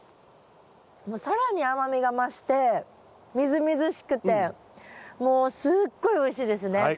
更に甘みが増してみずみずしくてもうすっごいおいしいですね。